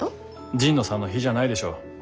神野さんの比じゃないでしょう